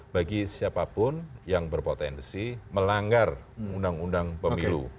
bagi siapapun yang berpotensi melanggar undang undang pemilu